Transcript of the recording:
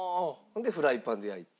でフライパンで焼いて。